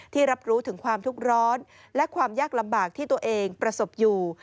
รับรู้ถึงความทุกข์ร้อนและความยากลำบากที่ตัวเองประสบอยู่